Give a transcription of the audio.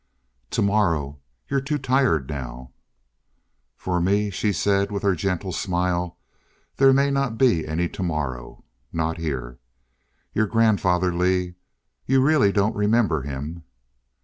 "Tomorrow you're too tired now " "For me," she said with her gentle smile, "there may not be any tomorrow not here. Your grandfather, Lee you really don't remember him?"